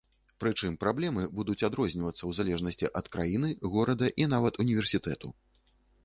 Прычым праблемы будуць адрозніваюцца ў залежнасці ад краіны, горада і нават універсітэту.